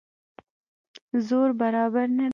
زور برابر نه دی.